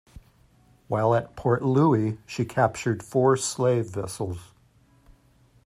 While at Port Louis she captured four slave vessels.